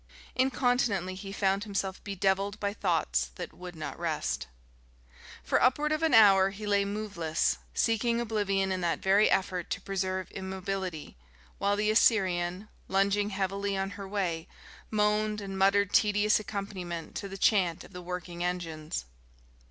Incontinently he found himself bedevilled by thoughts that would not rest. For upward of an hour he lay moveless, seeking oblivion in that very effort to preserve immobility, while the Assyrian, lunging heavily on her way, moaned and muttered tedious accompaniment to the chant of the working engines.